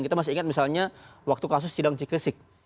kita masih ingat misalnya waktu kasus sidang cikresik